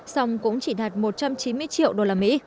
song cũng chỉ đạt một trăm chín mươi triệu usd